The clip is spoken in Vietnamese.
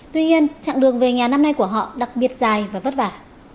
tuy nhiên chặng đường về nhà năm nay của họ đặc biệt dài và vất vả